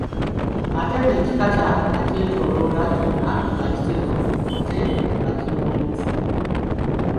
Atema ekikata akyetooloola kyonna ng’akitema ate n’akirongoosa.